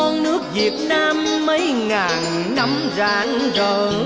nóng nước việt nam mấy ngàn năm rãng rỡ